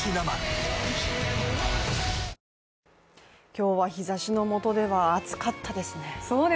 今日は日ざしのもとでは暑かったですね。